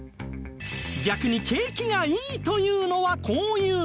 逆に景気がいいというのはこういう事